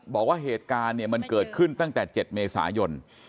บอกว่าเหตุการณ์มันเกิดขึ้นตั้งแต่๗เมษายน